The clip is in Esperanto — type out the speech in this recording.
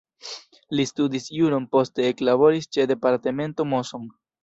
Li studis juron, poste eklaboris ĉe departemento Moson.